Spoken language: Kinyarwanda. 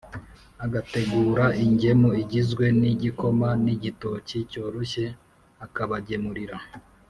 Agateguraingemu igizwe n’igikoma n’igitoki cyoroshye, akabagemurira.